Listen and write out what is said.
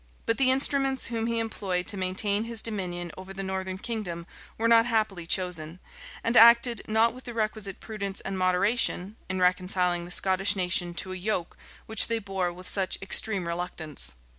But the instruments whom he employed to maintain his dominion over the northern kingdom were not happily chosen, and acted not with the requisite prudence and moderation, in reconciling the Scottish nation to a yoke which they bore with such extreme reluctance.